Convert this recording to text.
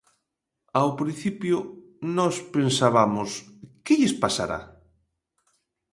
Ao principio, nós pensabamos: Que lles pasará?